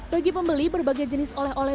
bagi pembeli berbagai jenis oleh oleh